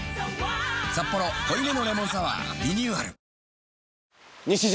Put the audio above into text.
「サッポロ濃いめのレモンサワー」リニューアル西島